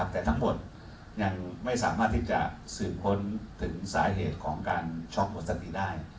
แต่ทั้งหมดยังไม่สามารถที่จะสืบค้นถึงสาเหตุของการช็อกหมดสติได้